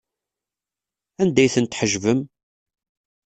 Anda ay tent-tḥejbem?